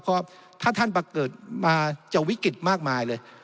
เพราะถ้าท่านประเกิดมาจะวิกฤตมากมายเลย